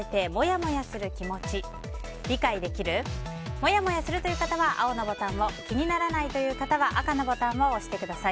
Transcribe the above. モヤモヤするという方は青のボタンを気にならないという方は赤のボタンを押してください。